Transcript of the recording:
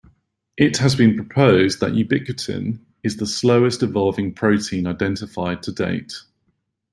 It has been proposed that ubiquitin is the slowest-evolving protein identified to date.